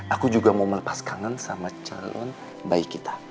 aku juga mau melepas kangen sama calon bayi kita